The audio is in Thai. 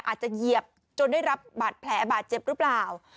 เหยียบจนได้รับบาดแผลบาดเจ็บหรือเปล่า